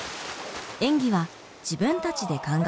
演技は自分たちで考えます。